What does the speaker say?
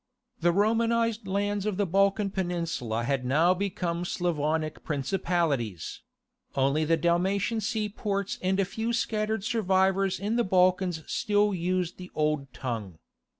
The Romanized lands of the Balkan peninsula had now become Slavonic principalities: only the Dalmatian seaports and a few scattered survivors in the Balkans still used the old tongue.